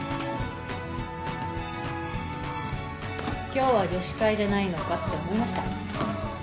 今日は女子会じゃないのかって思いました？